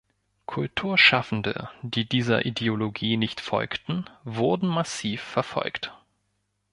Kulturschaffende, die dieser Ideologie nicht folgten, wurden massiv verfolgt.